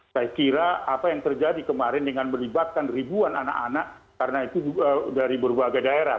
saya kira apa yang terjadi kemarin dengan melibatkan ribuan anak anak karena itu dari berbagai daerah